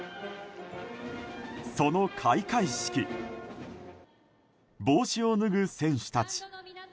その開会式帽子を脱ぐ選手たち。